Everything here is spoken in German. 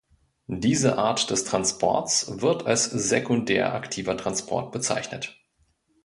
Diese Art des Transports wird als sekundär aktiver Transport bezeichnet.